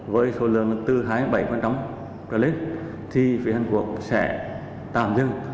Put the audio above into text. với số lượng bốn bảy trở lên thì phía hàn quốc sẽ tạm dừng